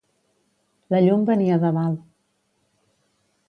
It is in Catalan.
La llum venia de dalt.